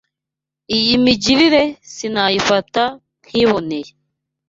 Iyi migirire sinayifataga nk’iboneye.